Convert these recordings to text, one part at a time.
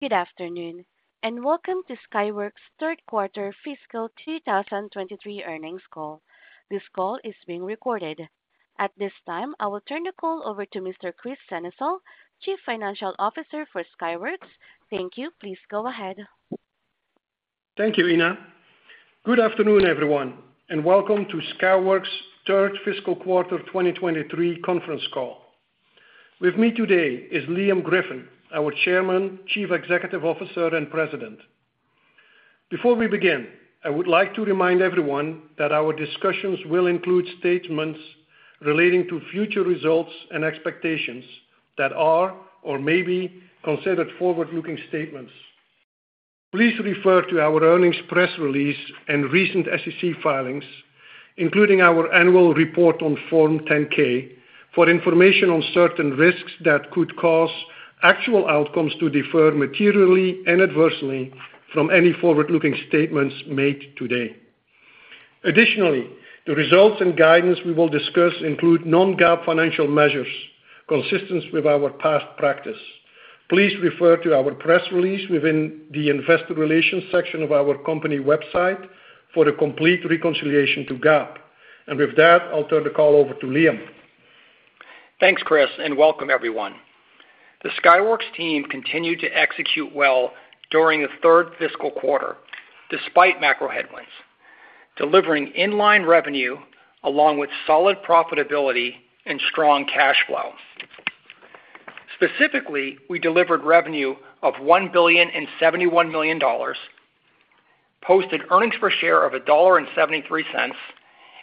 Good afternoon. Welcome to Skyworks' Third Quarter Fiscal 2023 Earnings Call. This call is being recorded. At this time, I will turn the call over to Mr. Kris Sennesael, Chief Financial Officer for Skyworks. Thank you. Please go ahead. Thank you, Ina. Good afternoon, everyone, and welcome to Skyworks' third fiscal quarter 2023 conference call. With me today is Liam Griffin, our Chairman, Chief Executive Officer, and President. Before we begin, I would like to remind everyone that our discussions will include statements relating to future results and expectations that are or may be considered forward-looking statements. Please refer to our earnings press release and recent SEC filings, including our annual report on Form 10-K, for information on certain risks that could cause actual outcomes to differ materially and adversely from any forward-looking statements made today. Additionally, the results and guidance we will discuss include non-GAAP financial measures, consistent with our past practice. Please refer to our press release within the investor relations section of our company website for the complete reconciliation to GAAP. With that, I'll turn the call over to Liam. Thanks, Kris, and welcome everyone. The Skyworks team continued to execute well during the third fiscal quarter, despite macro headwinds, delivering in-line revenue along with solid profitability and strong cash flow. Specifically, we delivered revenue of $1.071 billion, posted earnings per share of $1.73,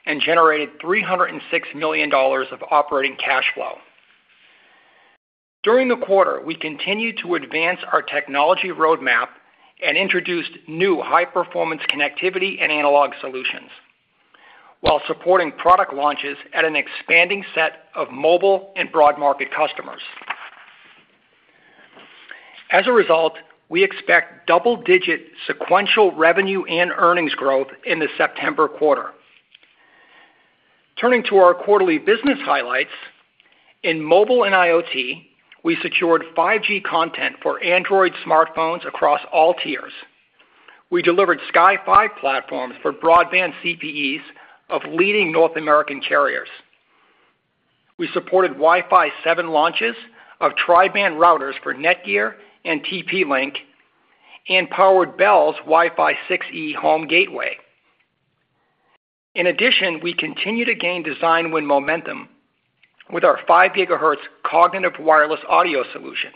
and generated $306 million of operating cash flow. During the quarter, we continued to advance our technology roadmap and introduced new high-performance connectivity and analog solutions, while supporting product launches at an expanding set of mobile and broad market customers. As a result, we expect double-digit sequential revenue and earnings growth in the September quarter. Turning to our quarterly business highlights. In mobile and IoT, we secured 5G content for Android smartphones across all tiers. We delivered Sky5 platforms for broadband CPEs of leading North American carriers. We supported Wi-Fi 7 launches of tri-band routers for NETGEAR and TP-Link and powered Bell's Wi-Fi 6E home gateway. In addition, we continue to gain design win momentum with our 5 GHz cognitive wireless audio solutions,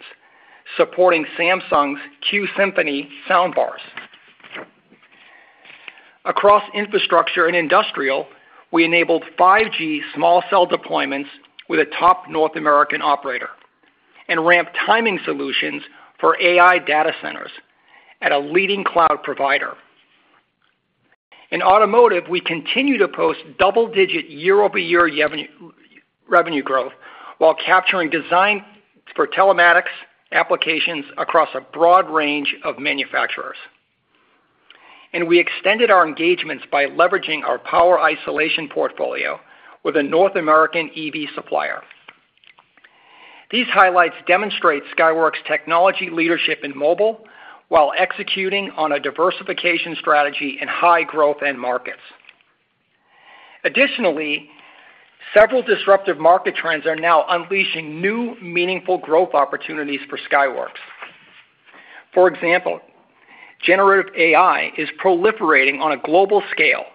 supporting Samsung's Q-Symphony soundbars. Across infrastructure and industrial, we enabled 5G small cell deployments with a top North American operator and ramped timing solutions for AI data centers at a leading cloud provider. In automotive, we continue to post double-digit year-over-year revenue growth while capturing design for telematics applications across a broad range of manufacturers. We extended our engagements by leveraging our power isolation portfolio with a North American EV supplier. These highlights demonstrate Skyworks' technology leadership in mobile, while executing on a diversification strategy in high growth end markets. Additionally, several disruptive market trends are now unleashing new, meaningful growth opportunities for Skyworks. For example, generative AI is proliferating on a global scale,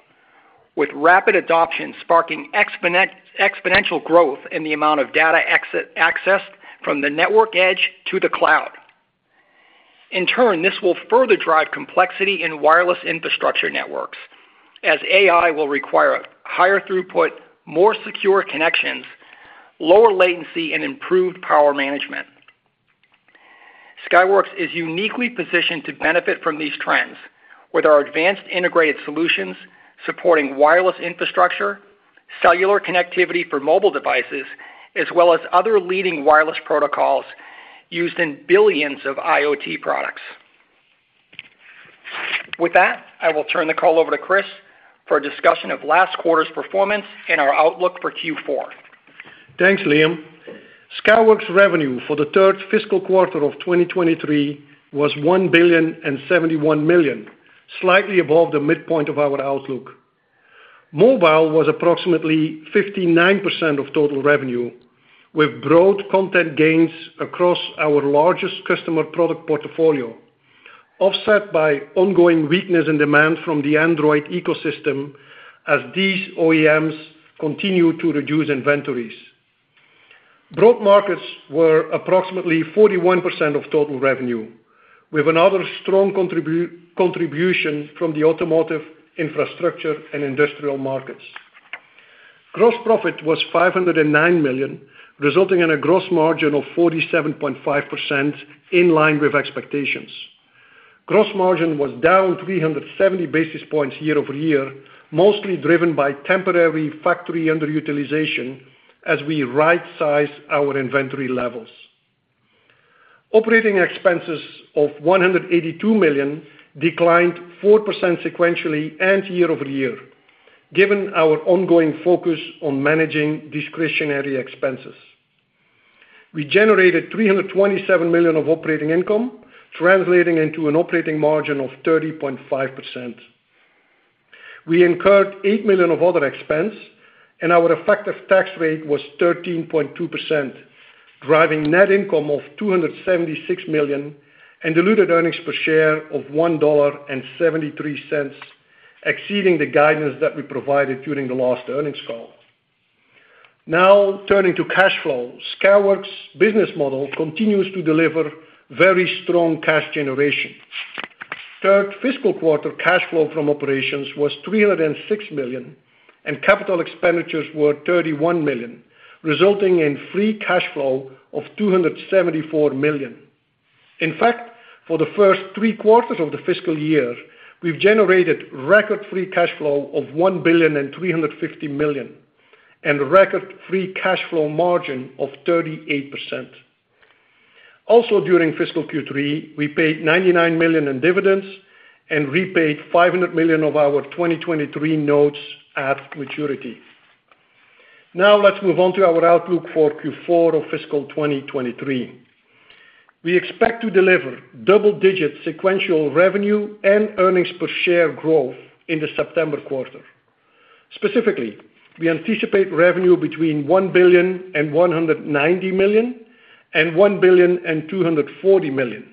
with rapid adoption sparking exponential growth in the amount of data accessed from the network edge to the cloud. In turn, this will further drive complexity in wireless infrastructure networks, as AI will require higher throughput, more secure connections, lower latency, and improved power management. Skyworks is uniquely positioned to benefit from these trends with our advanced integrated solutions, supporting wireless infrastructure, cellular connectivity for mobile devices, as well as other leading wireless protocols used in billions of IoT products. With that, I will turn the call over to Kris for a discussion of last quarter's performance and our outlook for Q4. Thanks, Liam. Skyworks revenue for the third fiscal quarter of 2023 was $1,071 million, slightly above the midpoint of our outlook. Mobile was approximately 59% of total revenue, with broad content gains across our largest customer product portfolio, offset by ongoing weakness in demand from the Android ecosystem as these OEMs continue to reduce inventories. Broad markets were approximately 41% of total revenue, with another strong contribution from the automotive, infrastructure, and industrial markets. Gross profit was $509 million, resulting in a gross margin of 47.5%, in line with expectations. Gross margin was down 370 basis points year-over-year, mostly driven by temporary factory underutilization as we rightsize our inventory levels. Operating expenses of $182 million declined 4% sequentially and year-over-year. given our ongoing focus on managing discretionary expenses. We generated $327 million of operating income, translating into an operating margin of 30.5%. We incurred $8 million of other expense, and our effective tax rate was 13.2%, driving net income of $276 million and diluted earnings per share of $1.73, exceeding the guidance that we provided during the last earnings call. Now, turning to cash flow. Skyworks' business model continues to deliver very strong cash generation. Third fiscal quarter cash flow from operations was $306 million, and capital expenditures were $31 million, resulting in free cash flow of $274 million. In fact, for the first three quarters of the fiscal year, we've generated record free cash flow of $1.35 billion, and record free cash flow margin of 38%. Also, during fiscal Q3, we paid $99 million in dividends and repaid $500 million of our 2023 notes at maturity. Now, let's move on to our outlook for Q4 of fiscal 2023. We expect to deliver double-digit sequential revenue and earnings per share growth in the September quarter. Specifically, we anticipate revenue between $1.19 billion and $1.24 billion.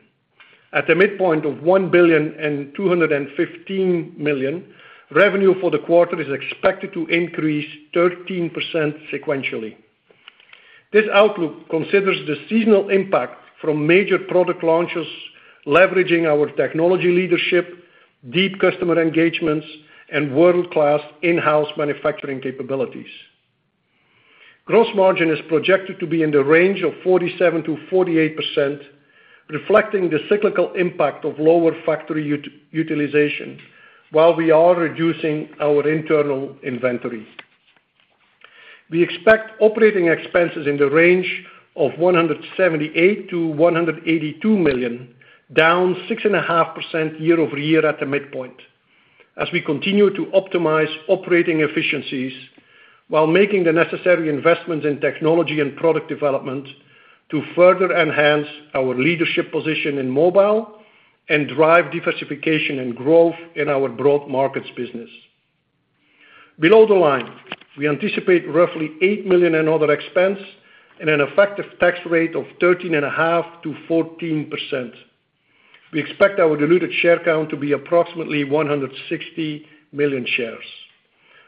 At the midpoint of $1.215 billion, revenue for the quarter is expected to increase 13% sequentially. This outlook considers the seasonal impact from major product launches, leveraging our technology leadership, deep customer engagements, and world-class in-house manufacturing capabilities. Gross margin is projected to be in the range of 47%-48%, reflecting the cyclical impact of lower factory utilization, while we are reducing our internal inventory. We expect operating expenses in the range of $178 million-$182 million, down 6.5% year-over-year at the midpoint, as we continue to optimize operating efficiencies while making the necessary investments in technology and product development to further enhance our leadership position in mobile and drive diversification and growth in our broad markets business. Below the line, we anticipate roughly $8 million in other expense and an effective tax rate of 13.5%-14%. We expect our diluted share count to be approximately 160 million shares.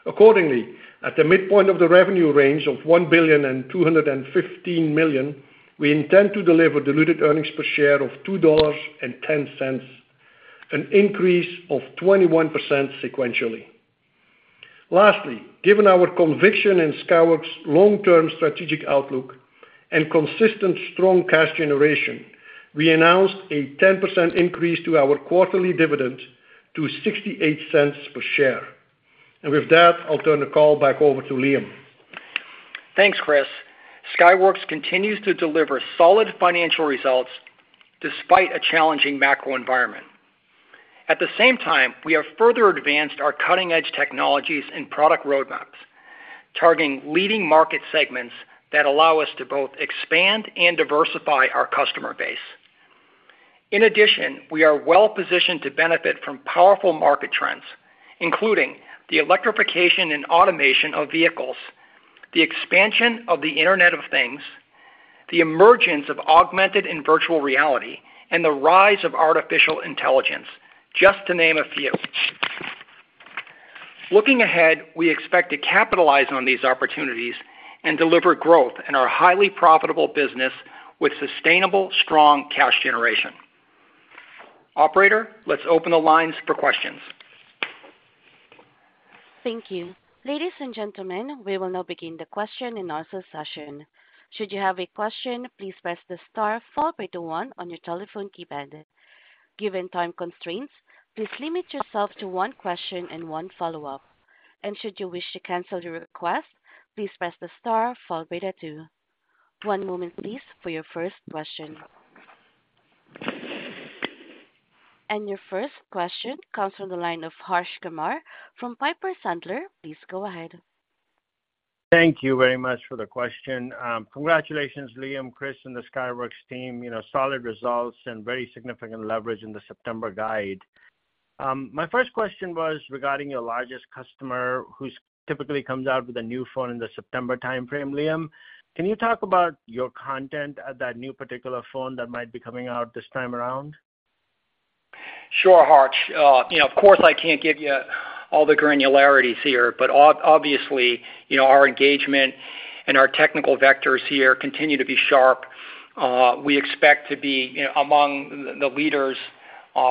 Accordingly, at the midpoint of the revenue range of $1,215 million, we intend to deliver diluted earnings per share of $2.10, an increase of 21% sequentially. Lastly, given our conviction in Skyworks' long-term strategic outlook and consistent strong cash generation, we announced a 10% increase to our quarterly dividend to $0.68 per share. With that, I'll turn the call back over to Liam. Thanks, Kris. Skyworks continues to deliver solid financial results despite a challenging macro environment. At the same time, we have further advanced our cutting-edge technologies and product roadmaps, targeting leading market segments that allow us to both expand and diversify our customer base. In addition, we are well positioned to benefit from powerful market trends, including the electrification and automation of vehicles, the expansion of the Internet of Things, the emergence of augmented and virtual reality, and the rise of artificial intelligence, just to name a few. Looking ahead, we expect to capitalize on these opportunities and deliver growth in our highly profitable business with sustainable, strong cash generation. Operator, let's open the lines for questions. Thank you. Ladies and gentlemen, we will now begin the question and answer session. Should you have a question, please press the star followed by the one on your telephone keypad. Given time constraints, please limit yourself to one question and one follow-up. Should you wish to cancel your request, please press the star followed by the two. One moment, please, for your first question. Your first question comes from the line of Harsh Kumar from Piper Sandler. Please go ahead. Thank you very much for the question. Congratulations, Liam, Kris Sennesael, and the Skyworks team. You know, solid results and very significant leverage in the September guide. My first question was regarding your largest customer, who typically comes out with a new phone in the September timeframe. Liam, can you talk about your content at that new particular phone that might be coming out this time around? Sure, Harsh. You know, of course, I can't give you all the granularities here, but obviously, you know, our engagement and our technical vectors here continue to be sharp. We expect to be, you know, among the, the leaders,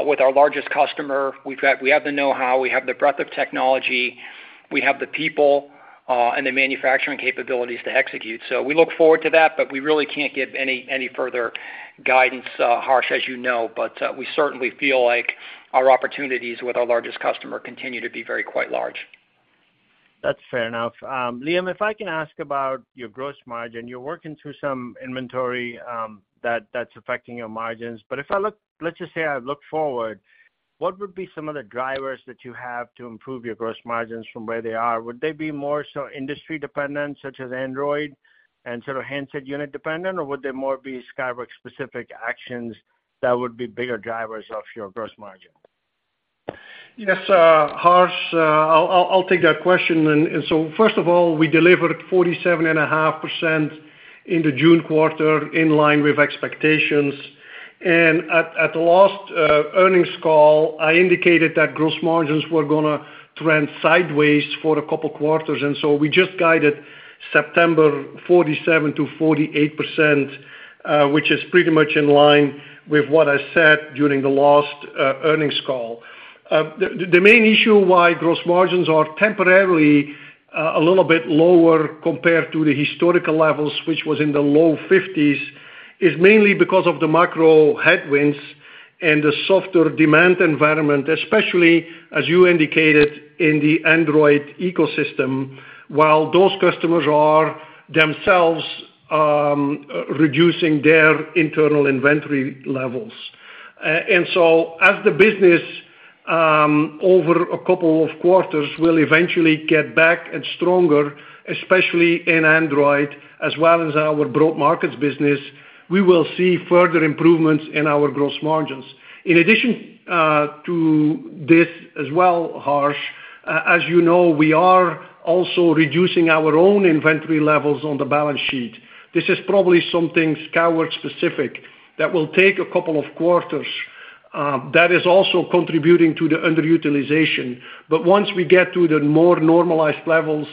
with our largest customer. We have the know-how, we have the breadth of technology, we have the people, and the manufacturing capabilities to execute. We look forward to that, we really can't give any, any further guidance, Harsh, as you know. We certainly feel like our opportunities with our largest customer continue to be very quite large. That's fair enough. Liam, if I can ask about your gross margin. You're working through some inventory, that, that's affecting your margins. If I look, let's just say I look forward. What would be some of the drivers that you have to improve your gross margins from where they are? Would they be more so industry dependent, such as Android and sort of handset unit dependent, or would they more be Skyworks specific actions that would be bigger drivers of your gross margin? Yes, Harsh, I'll, I'll, I'll take that question. First of all, we delivered 47.5% in the June quarter, in line with expectations. At the last earnings call, I indicated that gross margins were gonna trend sideways for a couple quarters. We just guided September 47%-48%, which is pretty much in line with what I said during the last earnings call. The main issue why gross margins are temporarily a little bit lower compared to the historical levels, which was in the low 50s, is mainly because of the macro headwinds and the softer demand environment, especially as you indicated in the Android ecosystem, while those customers are themselves reducing their internal inventory levels. As the business, over two quarters will eventually get back and stronger, especially in Android as well as our broad markets business, we will see further improvements in our gross margins. In addition, to this as well, Harsh, as you know, we are also reducing our own inventory levels on the balance sheet. This is probably something Skyworks specific that will take two quarters, that is also contributing to the underutilization. Once we get to the more normalized levels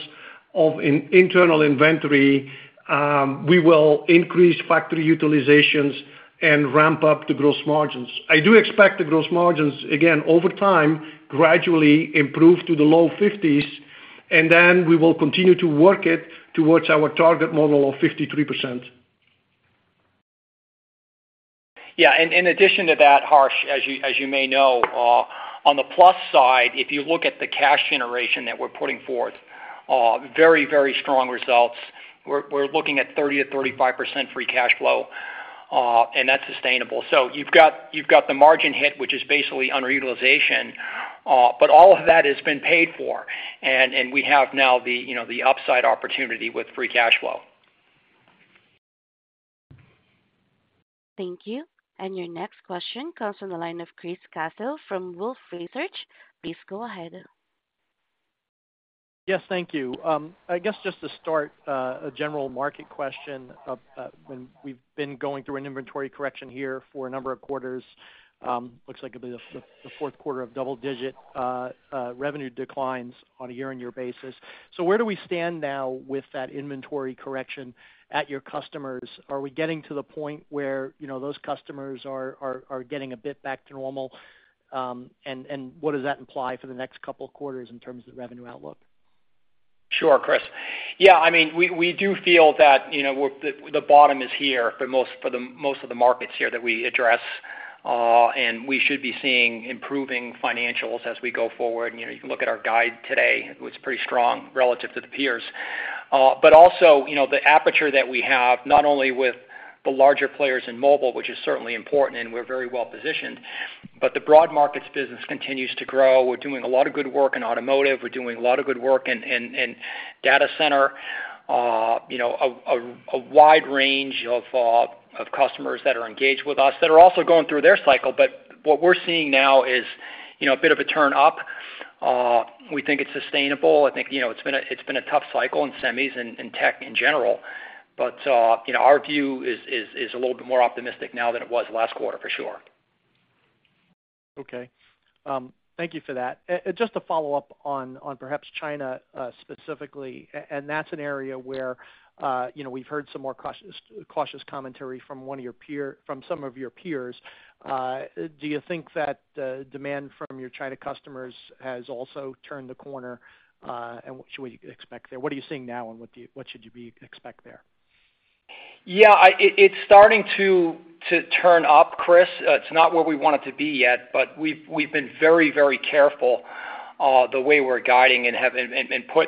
of internal inventory, we will increase factory utilizations and ramp up the gross margins. I do expect the gross margins, again, over time, gradually improve to the low 50s, and then we will continue to work it towards our target model of 53%. Yeah, in addition to that, Harsh, as you, as you may know, on the plus side, if you look at the cash generation that we're putting forth, very, very strong results. We're, we're looking at 30%-35% free cash flow, that's sustainable. You've got, you've got the margin hit, which is basically underutilization, but all of that has been paid for, and we have now the, you know, the upside opportunity with free cash flow. Thank you. Your next question comes from the line of Chris Caso from Wolfe Research. Please go ahead. Yes, thank you. I guess just to start, a general market question. When we've been going through an inventory correction here for a number of quarters, looks like it'll be the fourth quarter of double digit revenue declines on a year-on-year basis. Where do we stand now with that inventory correction at your customers? Are we getting to the point where, you know, those customers are getting a bit back to normal? And what does that imply for the next couple of quarters in terms of the revenue outlook? Sure, Chris. Yeah, I mean, we, we do feel that, you know, we're the bottom is here for most, for the most of the markets here that we address. We should be seeing improving financials as we go forward. You know, you can look at our guide today, it was pretty strong relative to the peers. Also, you know, the aperture that we have, not only with the larger players in mobile, which is certainly important and we're very well positioned, but the broad markets business continues to grow. We're doing a lot of good work in automotive. We're doing a lot of good work in data center. You know, a wide range of customers that are engaged with us, that are also going through their cycle. What we're seeing now is, you know, a bit of a turn up. We think it's sustainable. I think, you know, it's been a, it's been a tough cycle in semis and, and tech in general, you know, our view is, is, is a little bit more optimistic now than it was last quarter, for sure. Okay. Thank you for that. Just to follow up on, on perhaps China, specifically, and that's an area where, you know, we've heard some more cautious, cautious commentary from one of your peer, from some of your peers. Do you think that demand from your China customers has also turned the corner? What should we expect there? What are you seeing now, and what should you be expect there? Yeah, I... It, it's starting to, to turn up, Chris Caso. It's not where we want it to be yet, but we've, we've been very, very careful, the way we're guiding and have, and, and, and put,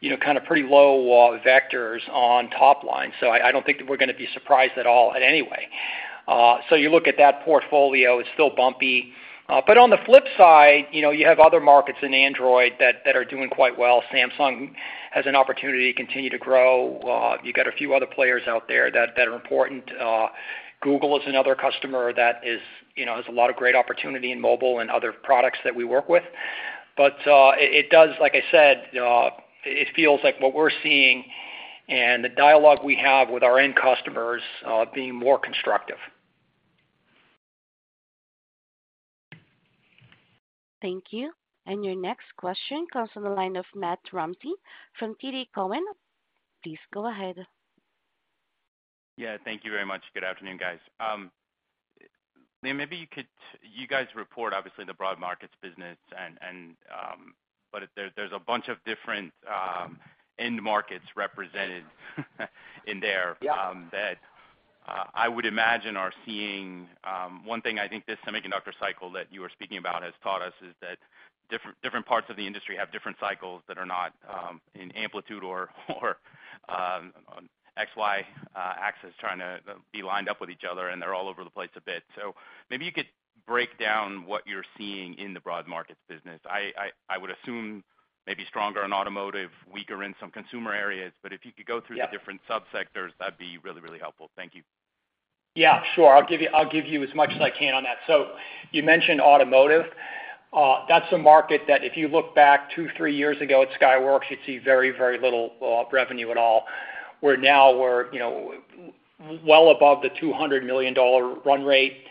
you know, kind of pretty low vectors on top line. I, I don't think that we're gonna be surprised at all in any way. You look at that portfolio, it's still bumpy. On the flip side, you know, you have other markets in Android that, that are doing quite well. Samsung has an opportunity to continue to grow. You got a few other players out there that, that are important. Google is another customer that is, you know, has a lot of great opportunity in mobile and other products that we work with. It, it does, like I said, it feels like what we're seeing and the dialogue we have with our end customers, being more constructive. Thank you. Your next question comes from the line of Matt Ramsay from TD Cowen. Please go ahead. Yeah, thank you very much. Good afternoon, guys. Maybe you could- you guys report obviously the broad markets business and, and, but there, there's a bunch of different, end markets represented in there... Yeah. that, I would imagine are seeing... One thing I think this semiconductor cycle that you were speaking about has taught us, is that different, different parts of the industry have different cycles that are not, in amplitude or, or...... on XY axis trying to be lined up with each other, and they're all over the place a bit. Maybe you could break down what you're seeing in the broad markets business. I, I, I would assume maybe stronger in automotive, weaker in some consumer areas, but if you could go through- Yeah the different subsectors, that'd be really, really helpful. Thank you. Yeah, sure. I'll give you, I'll give you as much as I can on that. You mentioned automotive. That's a market that if you look back two, three years ago at Skyworks, you'd see very, very little revenue at all. We're now, we're, you know, well above the $200 million run rate.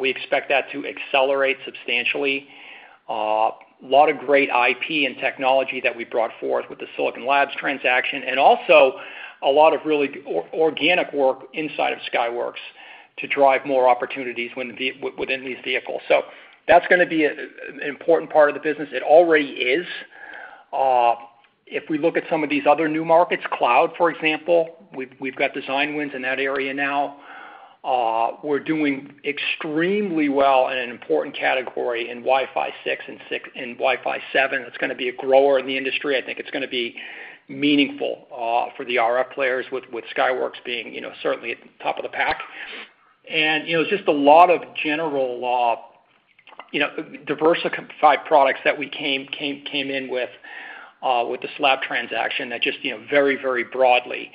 We expect that to accelerate substantially. A lot of great IP and technology that we brought forth with the Silicon Labs transaction, and also a lot of really organic work inside of Skyworks to drive more opportunities within these vehicles. That's gonna be an important part of the business. It already is. If we look at some of these other new markets, cloud, for example, we've, we've got design wins in that area now. We're doing extremely well in an important category in Wi-Fi 6 and Wi-Fi 7. It's gonna be a grower in the industry. I think it's gonna be meaningful for the RF players, with Skyworks being, you know, certainly at the top of the pack. You know, just a lot of general, you know, diversified products that we came in with the SLAB transaction that just, you know, very, very broadly,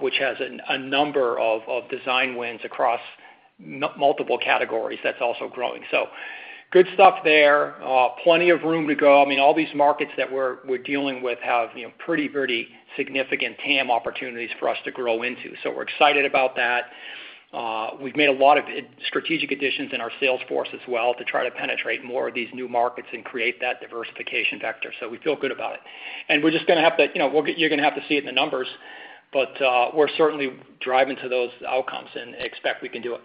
which has a number of design wins across multiple categories that's also growing. Good stuff there. Plenty of room to go. I mean, all these markets that we're, we're dealing with have, you know, pretty, pretty significant TAM opportunities for us to grow into. We're excited about that. We've made a lot of strategic additions in our sales force as well to try to penetrate more of these new markets and create that diversification vector. We feel good about it. We're just gonna have to, you know, you're gonna have to see it in the numbers, but, we're certainly driving to those outcomes and expect we can do it.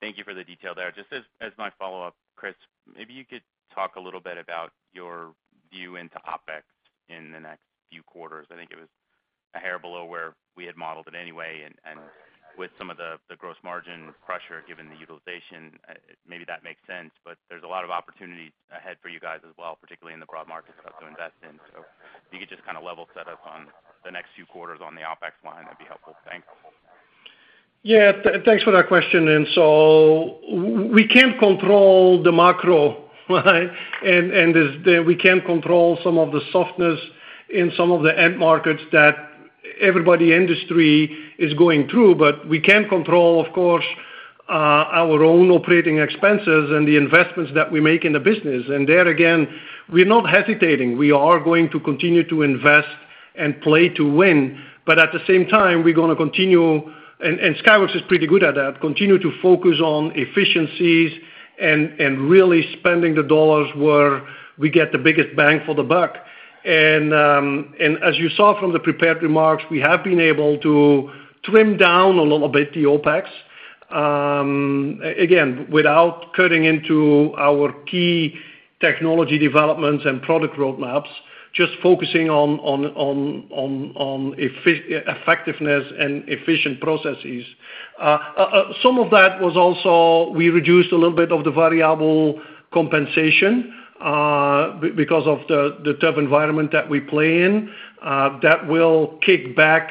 Thank you for the detail there. Just as, as my follow-up, Kris, maybe you could talk a little bit about your view into OpEx in the next few quarters. I think it was a hair below where we had modeled it anyway, and, and with some of the, the gross margin pressure, given the utilization, maybe that makes sense. But there's a lot of opportunities ahead for you guys as well, particularly in the broad market, stuff to invest in. If you could just kind of level set us on the next few quarters on the OpEx line, that'd be helpful. Thanks. Yeah, thanks for that question. So we can't control the macro, right? There's we can't control some of the softness in some of the end markets that everybody, industry, is going through, but we can control, of course, our own operating expenses and the investments that we make in the business. There again, we're not hesitating. We are going to continue to invest and play to win, but at the same time, we're gonna continue, and Skyworks is pretty good at that, continue to focus on efficiencies and really spending the dollars where we get the biggest bang for the buck. As you saw from the prepared remarks, we have been able to trim down a little bit the OpEx, again, without cutting into our key technology developments and product roadmaps, just focusing on effectiveness and efficient processes. Some of that was also, we reduced a little bit of the variable compensation because of the tough environment that we play in. That will kick back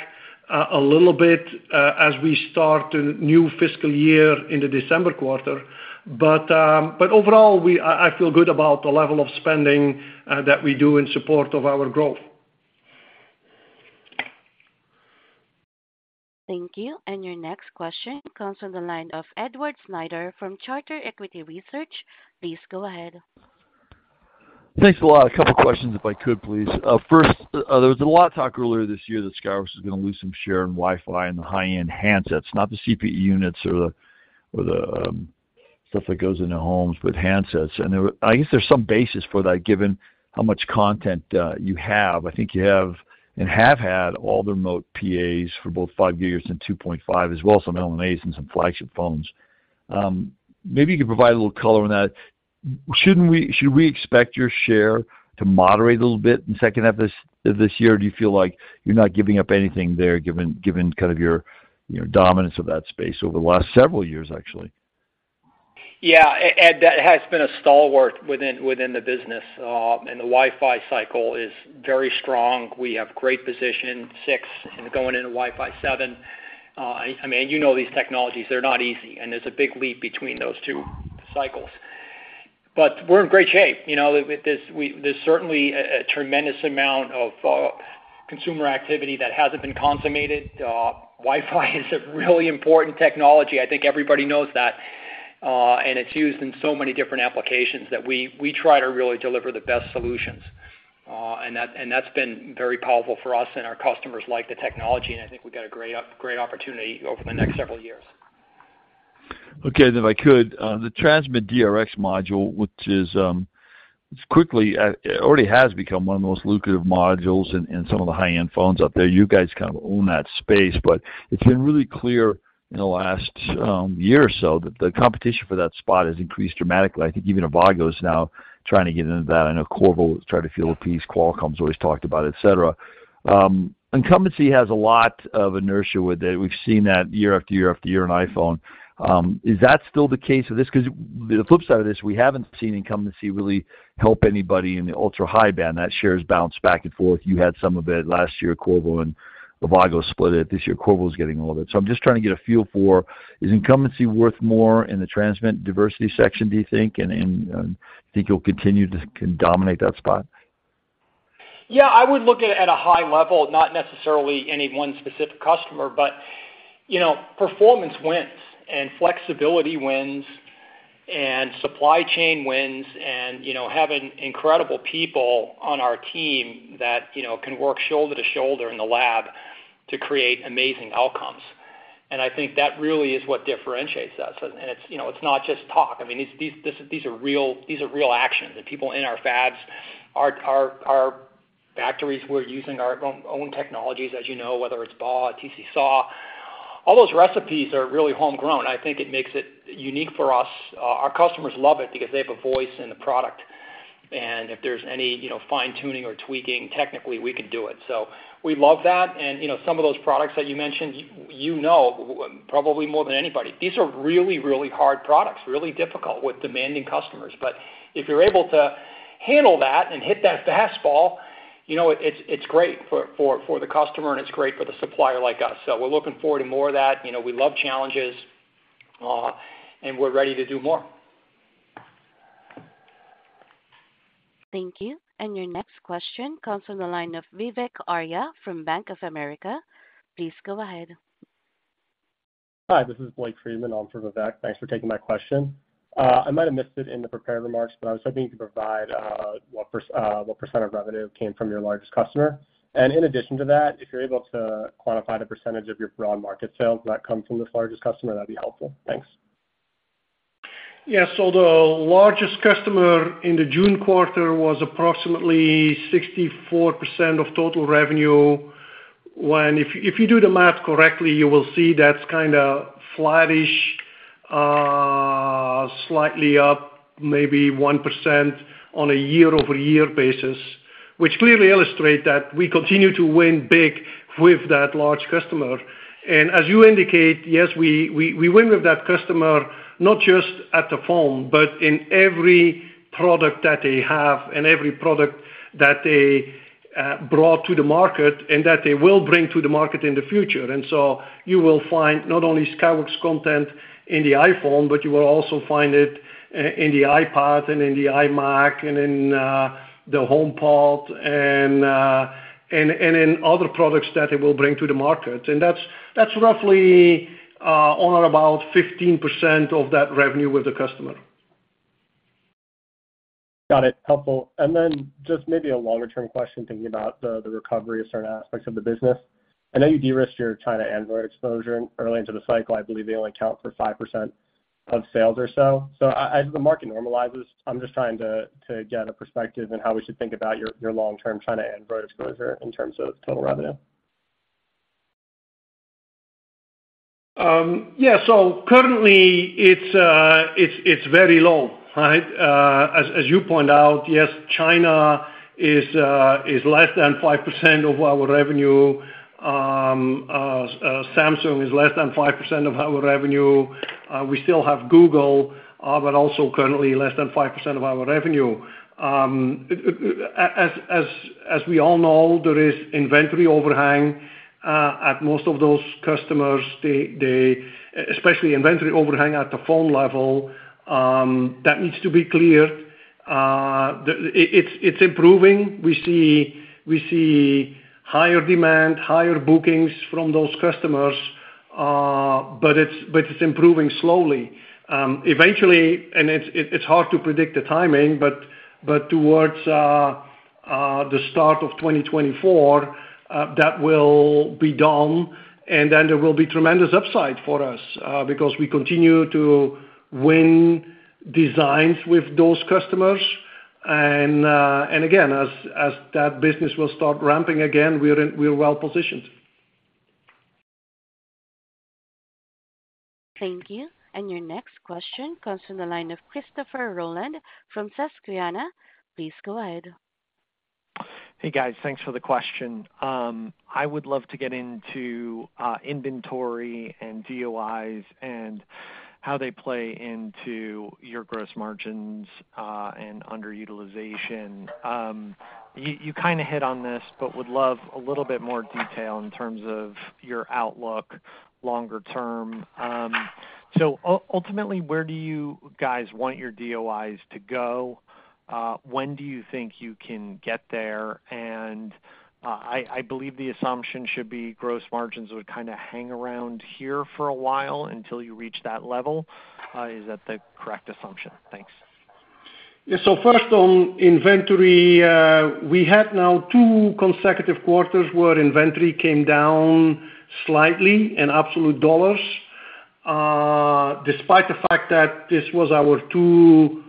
a little bit as we start a new fiscal year in the December quarter. Overall, I feel good about the level of spending that we do in support of our growth. Thank you. Your next question comes from the line of Edward Snyder from Charter Equity Research. Please go ahead. Thanks a lot. A couple questions, if I could, please. First, there was a lot of talk earlier this year that Skyworks is gonna lose some share in Wi-Fi and the high-end handsets, not the CPE units or the, or the stuff that goes into homes, but handsets. I guess there's some basis for that, given how much content you have. I think you have and have had all the remote PAs for both 5 GHz and 2.5, as well as some LNAs and some flagship phones. Maybe you could provide a little color on that. Should we expect your share to moderate a little bit in second half this, this year? Do you feel like you're not giving up anything there, given, given kind of your, your dominance of that space over the last several years, actually? Yeah, Ed, that has been a stalwart within, within the business, the Wi-Fi cycle is very strong. We have great position, Wi-Fi 6, and going into Wi-Fi 7. I mean, you know these technologies, they're not easy, and there's a big leap between those two cycles. We're in great shape. You know, with this, there's certainly a tremendous amount of consumer activity that hasn't been consummated. Wi-Fi is a really important technology. I think everybody knows that, and it's used in so many different applications that we, we try to really deliver the best solutions, and that, and that's been very powerful for us and our customers like the technology, and I think we've got a great opportunity over the next several years. Okay, if I could, the transmit DRx module, which is, it's quickly, it already has become one of the most lucrative modules in, in some of the high-end phones out there. You guys kind of own that space, it's been really clear in the last year or so that the competition for that spot has increased dramatically. I think even Avago is now trying to get into that. I know Qorvo is trying to fill a piece, Qualcomm's always talked about it, et cetera. Incumbency has a lot of inertia with it. We've seen that year-after-year-after-year in iPhone. Is that still the case of this? Because the flip side of this, we haven't seen incumbency really help anybody in the ultra-high band. That share has bounced back and forth. You had some of it last year, Qorvo and Avago split it. This year, Qorvo is getting all of it. I'm just trying to get a feel for, is incumbency worth more in the transmit diversity section, do you think? Do you think you'll continue to dominate that spot? Yeah, I would look at it at a high level, not necessarily any one specific customer, but, you know, performance wins, and flexibility wins, and supply chain wins, and, you know, having incredible people on our team that, you know, can work shoulder to shoulder in the lab to create amazing outcomes. I think that really is what differentiates us. It's, you know, it's not just talk. I mean, these are real, these are real actions. The people in our fabs, our factories, we're using our own technologies, as you know, whether it's BAW, TC SAW. All those recipes are really homegrown. I think it makes it unique for us. Our customers love it because they have a voice in the product. If there's any, you know, fine-tuning or tweaking, technically, we can do it. We love that. You know, some of those products that you mentioned, you know, probably more than anybody, these are really, really hard products, really difficult with demanding customers. If you're able to handle that and hit that fastball, you know, it's, it's great for, for, for the customer, and it's great for the supplier like us. We're looking forward to more of that. You know, we love challenges, and we're ready to do more. Thank you. Your next question comes from the line of Vivek Arya from Bank of America. Please go ahead. Hi, this is Blake Friedman on for Vivek. Thanks for taking my question. I might have missed it in the prepared remarks, but I was hoping you could provide what percent of revenue came from your largest customer? In addition to that, if you're able to quantify the percentage of your broad market sales that come from this largest customer, that'd be helpful. Thanks. Yeah, the largest customer in the June quarter was approximately 64% of total revenue. If, if you do the math correctly, you will see that's kind of flattish, slightly up maybe 1% on a year-over-year basis, which clearly illustrate that we continue to win big with that large customer. As you indicate, yes, we, we, we win with that customer, not just at the phone, but in every product that they have and every product that they brought to the market, and that they will bring to the market in the future. You will find not only Skyworks content in the iPhone, but you will also find it in the iPad, and in the iMac, and in the HomePod, and, and in other products that they will bring to the market. That's, that's roughly, on or about 15% of that revenue with the customer. Got it. Helpful. Then just maybe a longer-term question, thinking about the recovery of certain aspects of the business. I know you de-risked your China Android exposure early into the cycle. I believe they only account for 5% of sales or so. As the market normalizes, I'm just trying to get a perspective on how we should think about your long-term China Android exposure in terms of total revenue. Yeah. Currently, it's, it's, it's very low, right? As, as you point out, yes, China is, is less than 5% of our revenue. Samsung is less than 5% of our revenue. We still have Google, but also currently less than 5% of our revenue. As, as, as we all know, there is inventory overhang at most of those customers. Especially inventory overhang at the phone level, that needs to be cleared. It, it's, it's improving. We see, we see higher demand, higher bookings from those customers, but it's, but it's improving slowly. Eventually, and it's, it, it's hard to predict the timing, but towards the start of 2024, that will be done, and then there will be tremendous upside for us, because we continue to win designs with those customers. Again, as that business will start ramping again, we're well positioned. Thank you. Your next question comes from the line of Christopher Rolland from Susquehanna. Please go ahead. Hey, guys. Thanks for the question. I would love to get into inventory and DOIs and how they play into your gross margins and underutilization. You, you kind of hit on this, but would love a little bit more detail in terms of your outlook longer term. Ultimately, where do you guys want your DOIs to go? When do you think you can get there? I, I believe the assumption should be gross margins would kind of hang around here for a while until you reach that level. Is that the correct assumption? Thanks. Yeah. First, on inventory, we have now two consecutive quarters where inventory came down slightly in absolute dollars, despite the fact that this was our two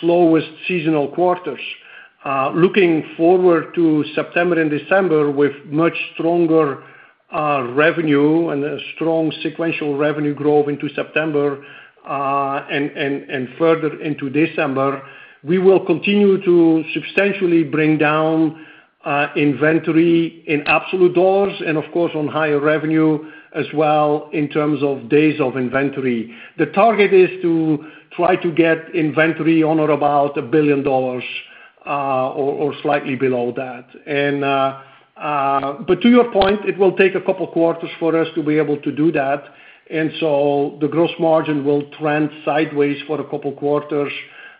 slowest seasonal quarters. Looking forward to September and December with much stronger revenue and a strong sequential revenue growth into September, and further into December, we will continue to substantially bring down inventory in absolute dollars and, of course, on higher revenue as well, in terms of days of inventory. The target is to try to get inventory on or about $1 billion, or slightly below that. To your point, it will take a couple quarters for us to be able to do that, and so the gross margin will trend sideways for a couple quarters,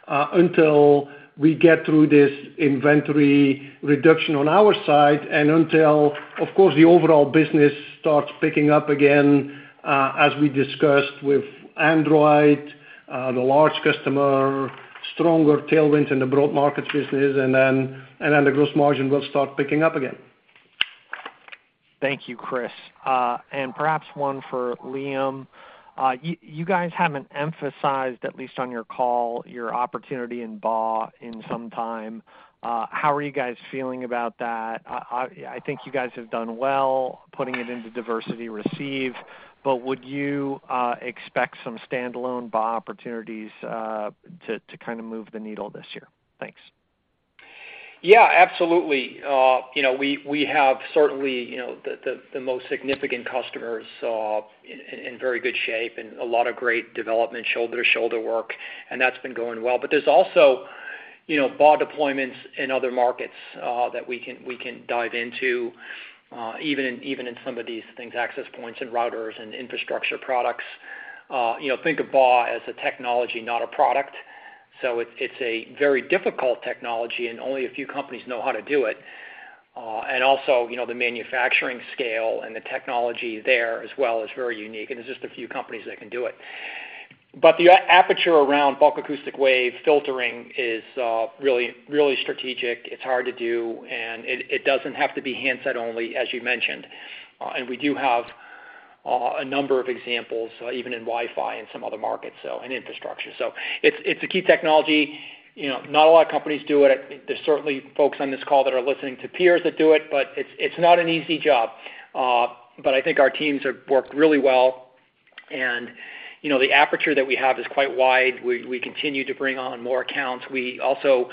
until we get through this inventory reduction on our side, and until, of course, the overall business starts picking up again, as we discussed with Android, the large customer, stronger tailwinds in the broad markets business, and then, and then the gross margin will start picking up again. Thank you, Kris. Perhaps one for Liam. Y-you guys haven't emphasized, at least on your call, your opportunity in BAW in some time. How are you guys feeling about that? I think you guys have done well putting it into diversity receive, but would you expect some standalone BAW opportunities to kind of move the needle this year? Thanks. Yeah, absolutely. You know, we, we have certainly, you know, the, the, the most significant customers, in, in, in very good shape and a lot of great development, shoulder-to-shoulder work, and that's been going well. There's also, you know, BAW deployments in other markets, that we can, we can dive into, even in, even in some of these things, access points and routers and infrastructure products. You know, think of BAW as a technology, not a product. It's, it's a very difficult technology and only a few companies know how to do it. And also, you know, the manufacturing scale and the technology there as well is very unique, and there's just a few companies that can do it. The aperture around bulk acoustic wave filtering is really, really strategic. It's hard to do, and it, it doesn't have to be handset only, as you mentioned. We do have a number of examples, even in Wi-Fi and some other markets, so, and infrastructure. It's, it's a key technology. You know, not a lot of companies do it. There's certainly folks on this call that are listening to peers that do it, but it's, it's not an easy job. I think our teams have worked really well, and, you know, the aperture that we have is quite wide. We, we continue to bring on more accounts. We also,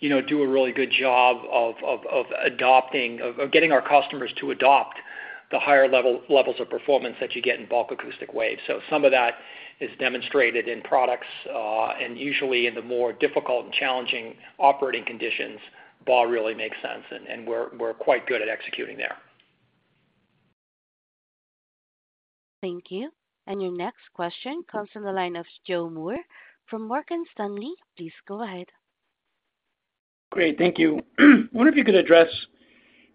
you know, do a really good job of adopting... Of getting our customers to adopt the higher levels of performance that you get in bulk acoustic waves. Some of that is demonstrated in products, and usually in the more difficult and challenging operating conditions, BAW really makes sense, and we're quite good at executing there. Thank you. Your next question comes from the line of Joe Moore from Morgan Stanley. Please go ahead. Great, thank you. I wonder if you could address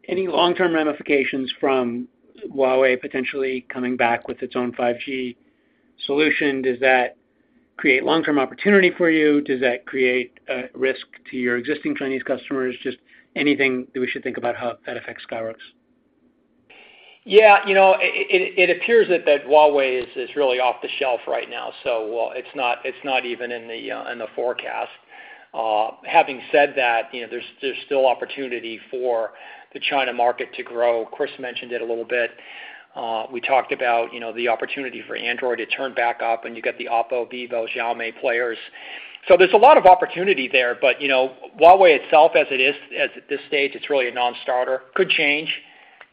any long-term ramifications from Huawei potentially coming back with its own 5G solution. Does that create long-term opportunity for you? Does that create a risk to your existing Chinese customers? Just anything that we should think about how that affects Skyworks? you know, it, it, it appears that, that Huawei is, is really off the shelf right now, so, well, it's not, it's not even in the in the forecast. Having said that, you know, there's, there's still opportunity for the China market to grow. Kris mentioned it a little bit. We talked about, you know, the opportunity for Android to turn back up, and you got the Oppo, Vivo, Xiaomi players. There's a lot of opportunity there, but, you know, Huawei itself, as it is, at this stage, it's really a non-starter. Could change,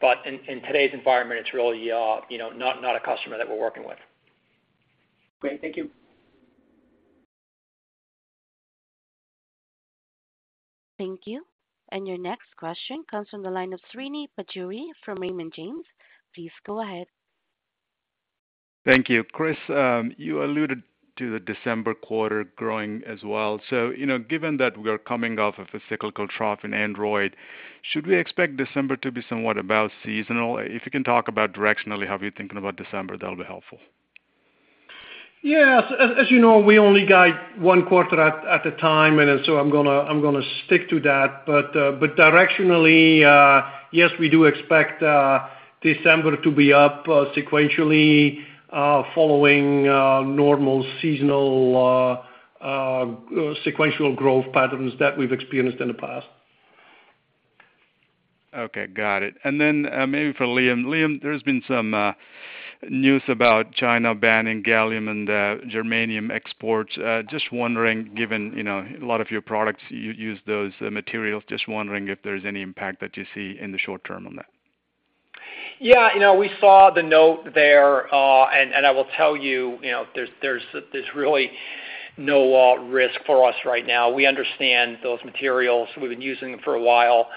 but in, in today's environment, it's really, you know, not, not a customer that we're working with. Great. Thank you. Thank you. Your next question comes from the line of Srini Pajjuri from Raymond James. Please go ahead. Thank you. Kris, you alluded to the December quarter growing as well. You know, given that we are coming off of a cyclical trough in Android, should we expect December to be somewhat about seasonal? If you can talk about directionally, how are you thinking about December, that'll be helpful. Yes. As you know, we only guide one quarter at a time, I'm gonna stick to that. Directionally, yes, we do expect December to be up sequentially, following normal seasonal sequential growth patterns that we've experienced in the past. Okay, got it. Then, maybe for Liam. Liam, there's been some news about China banning gallium and germanium exports. Just wondering, given, you know, a lot of your products, you use those materials, just wondering if there's any impact that you see in the short term on that? Yeah, you know, we saw the note there, and I will tell you, you know, there's, there's, there's really no risk for us right now. We understand those materials. We've been using them for a while.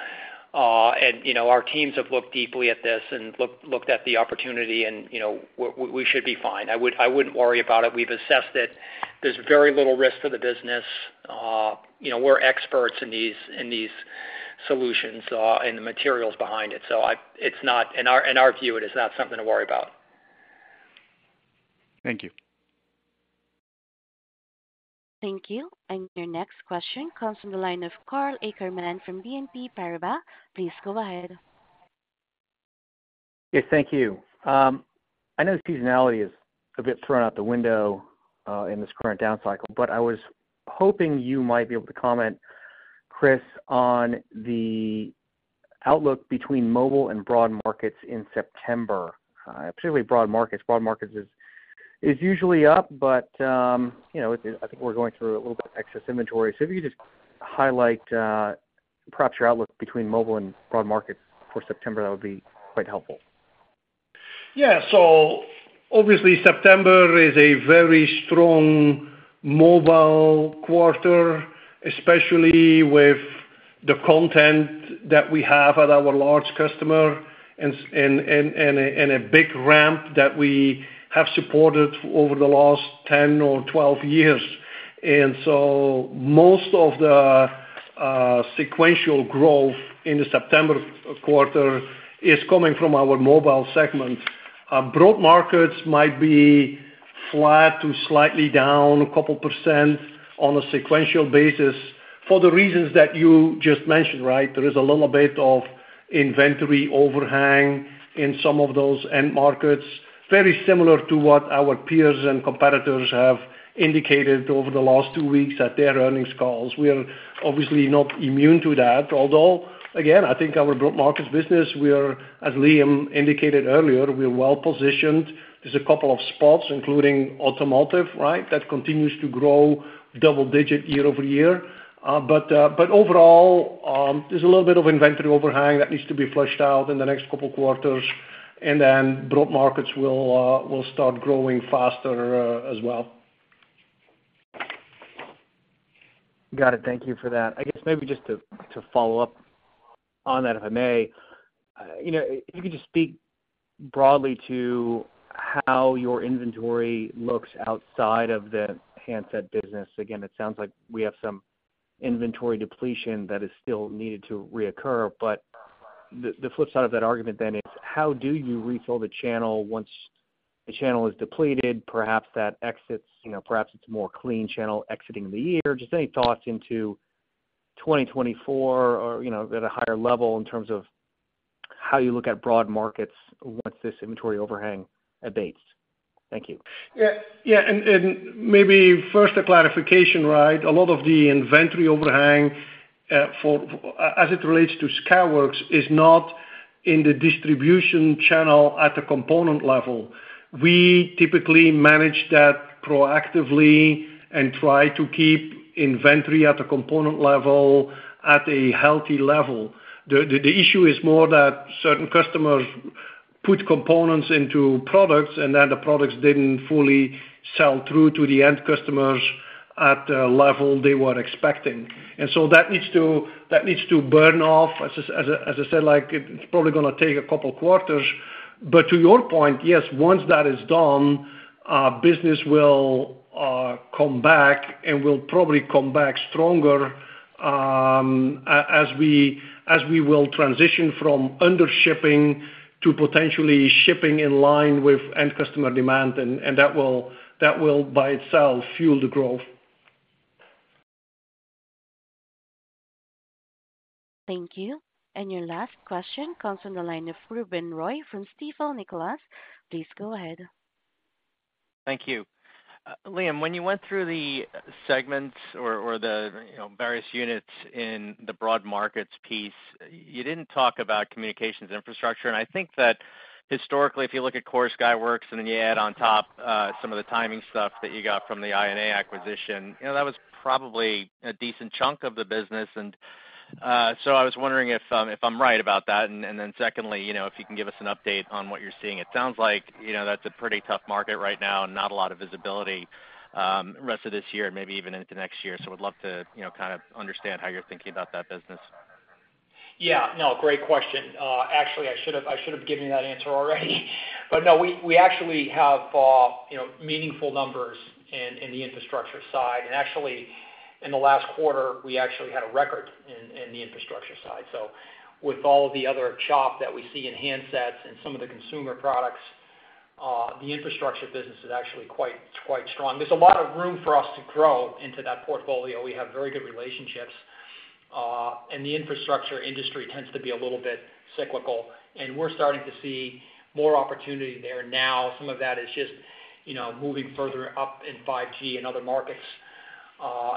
You know, our teams have looked deeply at this and looked at the opportunity and, you know, we should be fine. I wouldn't worry about it. We've assessed it. There's very little risk to the business. You know, we're experts in these, in these solutions, and the materials behind it. It's not, in our, in our view, it is not something to worry about. Thank you. Thank you. Your next question comes from the line of Karl Ackerman from BNP Paribas. Please go ahead. Yes, thank you. I know the seasonality is a bit thrown out the window in this current down cycle, but I was hoping you might be able to comment, Kris, on the outlook between mobile and broad markets in September, particularly broad markets. Broad markets is, is usually up, but, you know, I think we're going through a little bit of excess inventory. If you could just highlight, perhaps your outlook between mobile and broad markets for September, that would be quite helpful. Yeah, obviously, September is a very strong mobile quarter, especially with the content that we have at our large customer and a big ramp that we have supported over the last 10 or 12 years. Most of the sequential growth in the September quarter is coming from our mobile segment. Our broad markets might be flat to slightly down a couple percent on a sequential basis for the reasons that you just mentioned, right? There is a little bit of inventory overhang in some of those end markets, very similar to what our peers and competitors have indicated over the last two weeks at their earnings calls. We are obviously not immune to that, although, again, I think our broad markets business, we are, as Liam indicated earlier, we are well-positioned. There's a couple of spots, including automotive, right? That continues to grow double-digit year-over-year. Overall, there's a little bit of inventory overhang that needs to be flushed out in the next couple of quarters, and then broad markets will start growing faster as well. Got it. Thank you for that. I guess maybe just to, to follow up on that, if I may. you know, if you could just speak broadly to how your inventory looks outside of the handset business. Again, it sounds like we have some inventory depletion that is still needed to reoccur, but the, the flip side of that argument then is: How do you refill the channel once the channel is depleted? Perhaps that exits, you know, perhaps it's more clean channel exiting the year. Just any thoughts into 2024 or, you know, at a higher level in terms of how you look at broad markets once this inventory overhang abates. Thank you. Yeah, yeah, maybe first, a clarification, right? A lot of the inventory overhang, for, as it relates to Skyworks, is not in the distribution channel at a component level. We typically manage that proactively and try to keep inventory at a component level, at a healthy level. The, the, the issue is more that certain customers put components into products, and then the products didn't fully sell through to the end customers at the level they were expecting. So that needs to, that needs to burn off. As, as I, as I said, like, it's probably gonna take a couple quarters. To your point, yes, once that is done, business will come back and will probably come back stronger, as we, as we will transition from under shipping to potentially shipping in line with end customer demand, and, and that will, that will, by itself, fuel the growth. Thank you. Your last question comes from the line of Ruben Roy from Stifel, Nicolaus. Please go ahead. Thank you. Liam, when you went through the segments or the, you know, various units in the broad markets piece, you didn't talk about communications infrastructure. I think that historically, if you look at core Skyworks and then you add on top, some of the timing stuff that you got from the I&A acquisition, you know, that was probably a decent chunk of the business. So I was wondering if I'm right about that. Then secondly, you know, if you can give us an update on what you're seeing. It sounds like, you know, that's a pretty tough market right now and not a lot of visibility, rest of this year and maybe even into next year. Would love to, you know, kind of understand how you're thinking about that business. Yeah. No, great question. Actually, I should have, I should have given you that answer already. No, we, we actually have, you know, meaningful numbers in, in the infrastructure side. Actually, in the last quarter, we actually had a record in, in the infrastructure side. With all the other chop that we see in handsets and some of the consumer products, the infrastructure business is actually quite, quite strong. There's a lot of room for us to grow into that portfolio. We have very good relationships, and the infrastructure industry tends to be a little bit cyclical, and we're starting to see more opportunity there now. Some of that is just, you know, moving further up in 5G and other markets,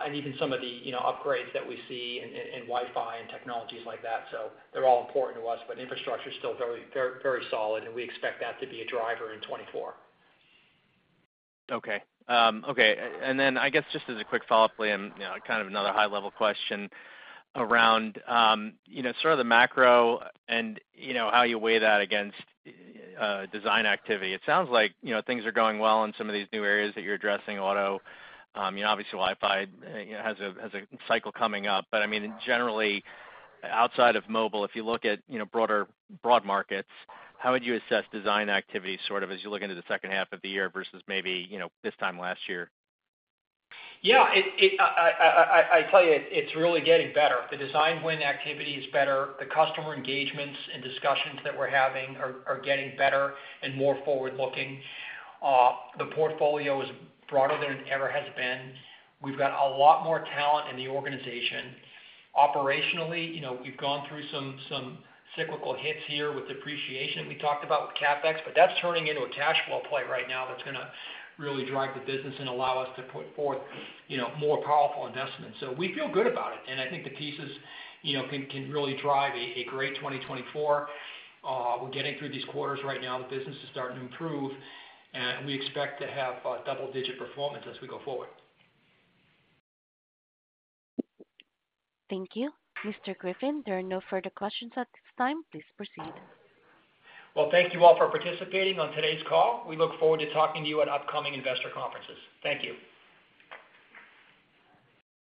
and even some of the, you know, upgrades that we see in, in Wi-Fi and technologies like that. They're all important to us, but infrastructure is still very, very solid, and we expect that to be a driver in 2024. Okay. Okay, then I guess, just as a quick follow-up, Liam, you know, kind of another high-level question around, you know, sort of the macro and, you know, how you weigh that against design activity. It sounds like, you know, things are going well in some of these new areas that you're addressing, auto. You know, obviously, Wi-Fi, you know, has a, has a cycle coming up. I mean, generally, outside of mobile, if you look at, you know, broader- broad markets, how would you assess design activity, sort of, as you look into the second half of the year versus maybe, you know, this time last year? Yeah, I tell you, it's really getting better. The design win activity is better. The customer engagements and discussions that we're having are, are getting better and more forward-looking. The portfolio is broader than it ever has been. We've got a lot more talent in the organization. Operationally, you know, we've gone through some, some cyclical hits here with depreciation we talked about with CapEx, but that's turning into a cash flow play right now that's gonna really drive the business and allow us to put forth, you know, more powerful investments. We feel good about it, and I think the pieces, you know, can, can really drive a, a great 2024. We're getting through these quarters right now. The business is starting to improve, and we expect to have a double-digit performance as we go forward. Thank you. Mr. Griffin, there are no further questions at this time. Please proceed. Well, thank you all for participating on today's call. We look forward to talking to you at upcoming investor conferences. Thank you.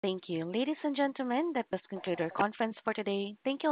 Thank you. Ladies and gentlemen, that does conclude our conference for today. Thank you.